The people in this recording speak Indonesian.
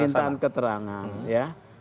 ini adalah keterangan ya